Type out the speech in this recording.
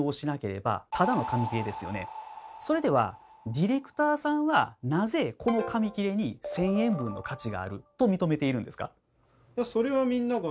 それではディレクターさんはなぜこの紙きれに１，０００円分の価値があると認めているんですか？